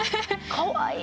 かわいい。